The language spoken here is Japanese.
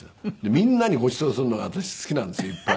みんなにごちそうするのが私好きなんですよいっぱい。